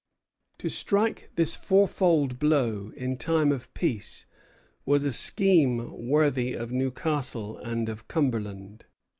To strike this fourfold blow in time of peace was a scheme worthy of Newcastle and of Cumberland.